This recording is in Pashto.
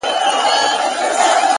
علم د فکر وسعت زیاتوي،